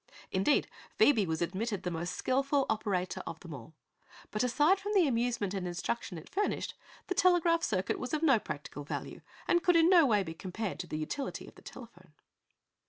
Indeed, Phoebe was admitted the most skillful operator of them all. But aside from the amusement and instruction it furnished, the little telegraph circuit was of no practical value and could in no way be compared with the utility of the telephone.